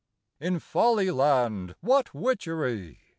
In Folly land what witchery